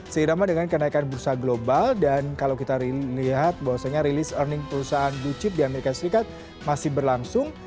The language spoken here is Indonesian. seirama dengan kenaikan bursa global dan kalau kita lihat bahwasanya rilis earning perusahaan blue chip di amerika serikat masih berlangsung